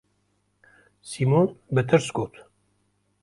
Sîmon bi tirs got: